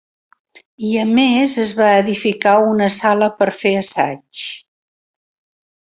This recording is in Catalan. I a més es va edificar una sala per fer assaigs.